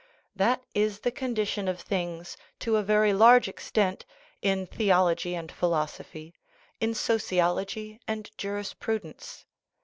That is the condition of things, to a very large extent, in the ology and philosophy, in sociology and jurisprudence.